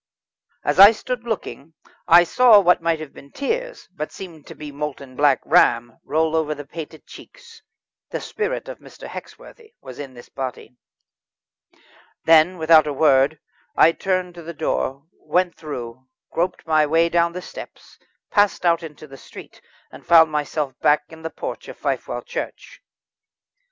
As I stood looking I saw what might have been tears, but seemed to be molten Black Ram, roll over the painted cheeks. The spirit of Mr. Hexworthy was in this body. Then, without a word, I turned to the door, went through, groped my way down the steps, passed out into the street, and found myself back in the porch of Fifewell Church.